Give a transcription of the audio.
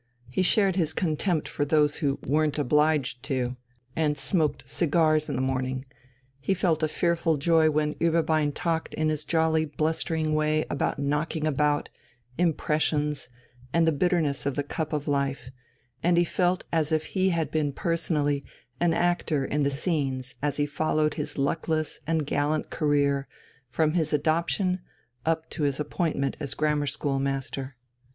He shared his contempt for those who "weren't obliged to" and smoked cigars in the morning, he felt a fearful joy when Ueberbein talked in his jolly blustering way about "knocking about," "impressions," and the bitterness of the cup of life, and he felt as if he had been personally an actor in the scenes as he followed his luckless and gallant career from his adoption up to his appointment as grammar schoolmaster.